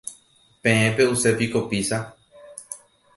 Peẽ pe'usépiko pizza.